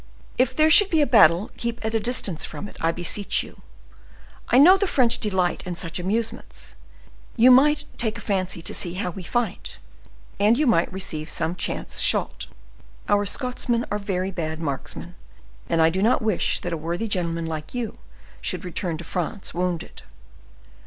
"If there should be a battle, keep at a distance from it, I beseech you. I know the French delight in such amusements;—you might take a fancy to see how we fight, and you might receive some chance shot. Our Scotsmen are very bad marksmen, and I do not wish that a worthy gentleman like you should return to France wounded.